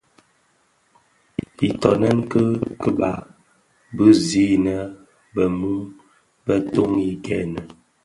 Itōnen kii keba bi zi innë bë-mun bë toni gènë.